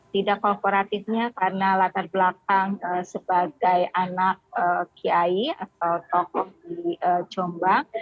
tidak kooperatifnya karena latar belakang sebagai anak kiai atau tokoh di jombang